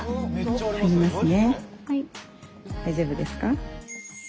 大丈夫ですか？